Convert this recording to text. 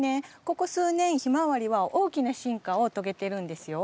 ここ数年ヒマワリは大きな進化を遂げてるんですよ。